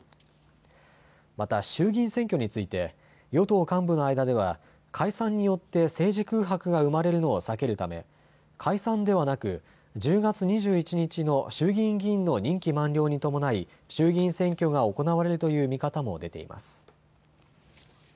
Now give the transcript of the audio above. また衆議院選挙について与党幹部の間では解散によって政治空白が生まれるのを避けるため解散ではなく１０月２１日の衆議院議員の任期満了に伴い衆議院選挙が行われるという見方も出ています。